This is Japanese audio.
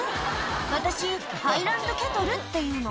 「私ハイランドキャトルっていうの」